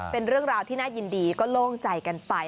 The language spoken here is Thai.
เป็นเรื่องราวที่น่ายินดีก็โล่งใจกันไป